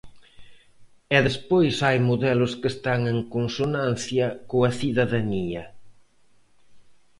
E despois hai modelos que están en consonancia coa cidadanía.